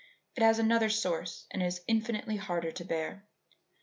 It has another source and is infinitely harder to bear.